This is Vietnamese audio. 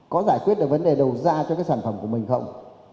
có giải quyết được vấn đề đầu ra cho cái sản phẩm của mình không